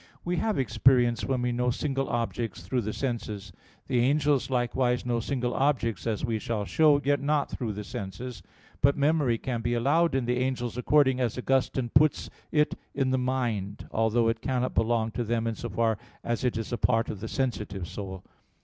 We have experience when we know single objects through the senses: the angels likewise know single objects, as we shall show (Q. 57, A. 2), yet not through the senses. But memory can be allowed in the angels, according as Augustine (De Trin. x) puts it in the mind; although it cannot belong to them in so far as it is a part of the sensitive soul.